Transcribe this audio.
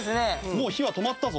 もう火は止まったぞ。